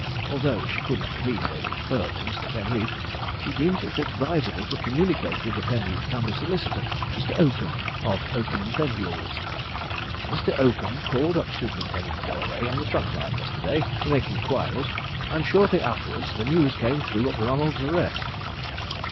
Although she could not believe they referred to Mr. Penreath, she deemed it advisable to communicate with the Penreath family solicitor, Mr. Oakham, of Oakham and Pendules. "Mr. Oakham called up Superintendent Galloway on the trunk line yesterday, to make inquiries, and shortly afterwards the news came through of Ronald's arrest.